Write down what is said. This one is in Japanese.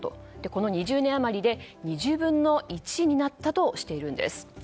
この２０年余りで２０分の１になったとしているんです。